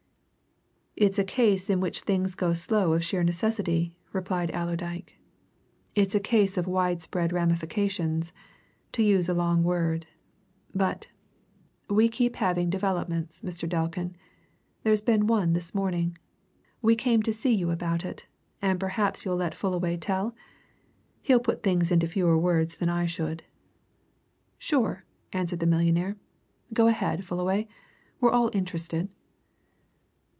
"It's a case in which things go slow of sheer necessity," replied Allerdyke. "It's a case of widespread ramifications to use a long word. But we keep having developments, Mr. Delkin. There's been one this morning. We came to see you about it and perhaps you'll let Fullaway tell! he'll put things into fewer words than I should." "Sure!" answered the millionaire. "Go ahead, Fullaway we're all interested."